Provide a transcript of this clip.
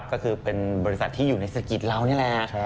ก็คือเป็นบริษัทที่อยู่ในสกิดเรานี่แหละ